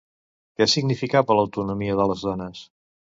Què significava l'autonomia de les dones?